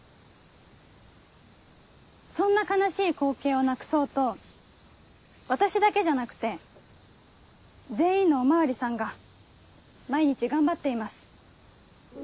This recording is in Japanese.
そんな悲しい光景をなくそうと私だけじゃなくて全員のお巡りさんが毎日頑張っています。